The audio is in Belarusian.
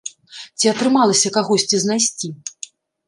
Ці атрымалася кагосьці знайсці?